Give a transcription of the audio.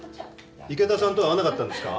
池田さんとは会わなかったんですか？